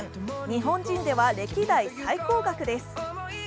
日本人では歴代最高額です。